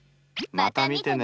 また見てね！